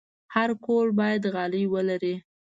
هر کور باید غالۍ ولري.